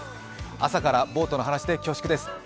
朝からボートの話で恐縮です。